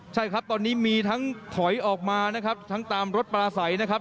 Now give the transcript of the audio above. ใช่ครับตอนนี้มีทั้งถอยออกมานะครับทั้งตามรถปลาใสนะครับ